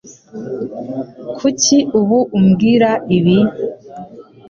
Kuki ubu umbwira ibi?